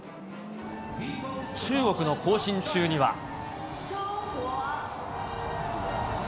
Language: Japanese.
中国の行進中には。